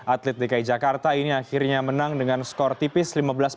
atlet dki jakarta ini akhirnya menang dengan skor tipis lima belas dua puluh